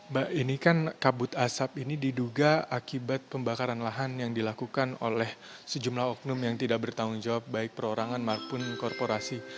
mbak ini kan kabut asap ini diduga akibat pembakaran lahan yang dilakukan oleh sejumlah oknum yang tidak bertanggung jawab baik perorangan maupun korporasi